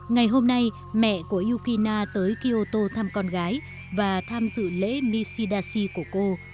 ngày hôm nay mẹ của yukina tới kyoto thăm con gái và tham dự lễ nishidashi của cô